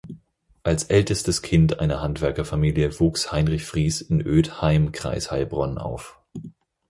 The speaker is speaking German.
Als ältestes Kind einer Handwerkerfamilie wuchs Heinrich Fries in Oedheim, Kreis Heilbronn, auf.